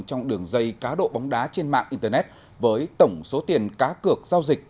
trong đường dây cá độ bóng đá trên mạng internet với tổng số tiền cá cược giao dịch